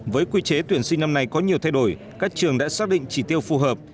với quy chế tuyển sinh năm nay có nhiều thay đổi các trường đã xác định chỉ tiêu phù hợp